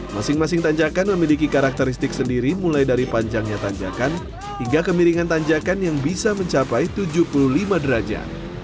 masing masing tanjakan memiliki karakteristik sendiri mulai dari panjangnya tanjakan hingga kemiringan tanjakan yang bisa mencapai tujuh puluh lima derajat